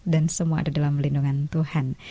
dan semua ada dalam melindungan tuhan